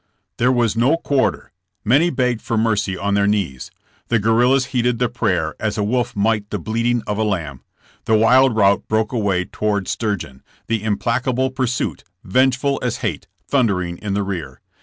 There was no quarter. Many begged for mercy on their knees. The guerrillas heeded the prayer as a wolf might the bleating of a lamb. The wild rout broke away toward Sturgeon, the implacable pursuit, vengeful as hate, thundering in the rear.